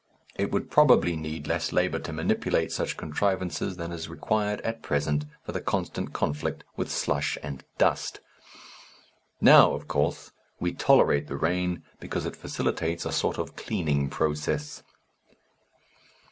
It would probably need less labour to manipulate such contrivances than is required at present for the constant conflict with slush and dust. Now, of course, we tolerate the rain, because it facilitates a sort of cleaning process....